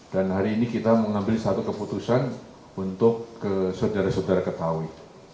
dan hari ini kita mengambil satu keputusan untuk saudara saudara ketahui